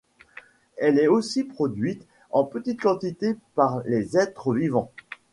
Elle est aussi produite en petite quantité par les êtres vivants.